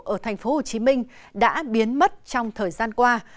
ở thành phố hồ chí minh đã biến mất trong thời gian qua